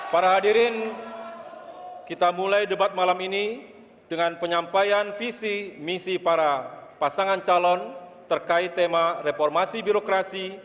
para hadirin kita mulai debat malam ini dengan penyampaian visi misi para pasangan calon terkait tema reformasi birokrasi